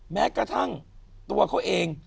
แม้กระทั่งตัวเขาเอง